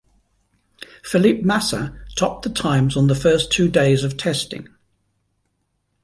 Felipe Massa topped the times on the first two days of testing.